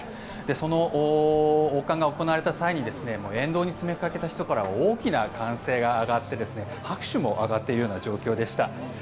その王冠が行われた際に沿道に詰めかけた人からは大きな歓声が上がって拍手も上がっている状況でした。